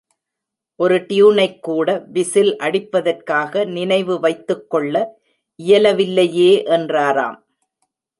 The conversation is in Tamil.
ஒரு ட்யூனைக் கூட விசில் அடிப்பதற்காக நினைவு வைத்துக் கொள்ள இயலவில்லையே என்றாராம்.